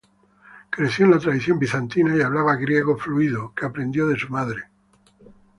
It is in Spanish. Creció en la tradición bizantina y hablaba griego fluido, que aprendió de su madre.